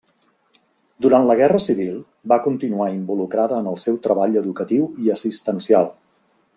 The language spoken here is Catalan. Durant la Guerra Civil va continuar involucrada en el seu treball educatiu i assistencial.